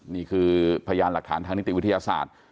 นี่คือพยานหลักฐานทางนิติวิทยาศาสตร์